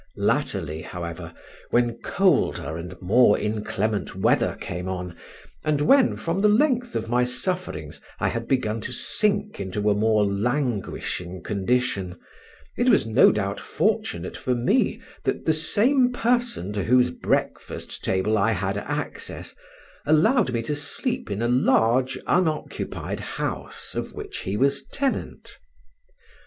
Latterly, however, when colder and more inclement weather came on, and when, from the length of my sufferings, I had begun to sink into a more languishing condition, it was no doubt fortunate for me that the same person to whose breakfast table I had access, allowed me to sleep in a large unoccupied house of which he was tenant.